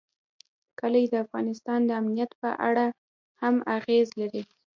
کلي د افغانستان د امنیت په اړه هم اغېز لري.